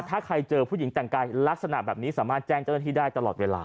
ถ้าใครเจอผู้หญิงแต่งกายลักษณะแบบนี้สามารถแจ้งเจ้าหน้าที่ได้ตลอดเวลา